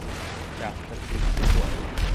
จากสถิติผู้ป่วย